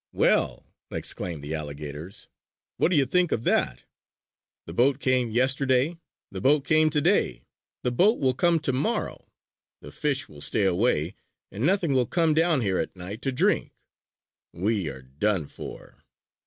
"Well!" exclaimed the alligators. "What do you think of that? The boat came yesterday. The boat came today. The boat will come tomorrow. The fish will stay away; and nothing will come down here at night to drink. We are done for!"